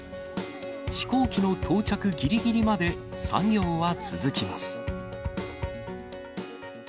飛行機の到着ぎりぎりまで、作業は続きます。